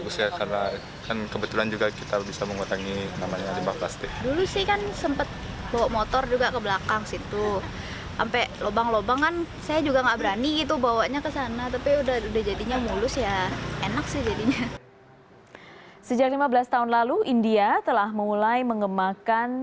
sejak lima belas tahun lalu india telah mulai mengembangkan